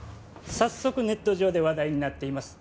早速ネット上で話題になっています